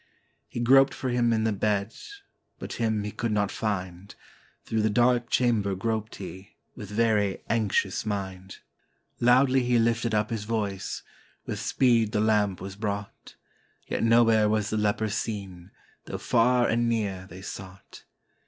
He groped for him in the bed, but him he could not find. Through the dark chamber groped he, with very anxious mind; 447 SPAIN Loudly he lifted up his voice, with speed the lamp was brought, Yet nowhere was the leper seen, though far and near they sought.